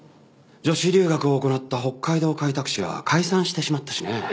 女子留学を行った北海道開拓使は解散してしまったしね。